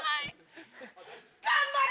頑張れ！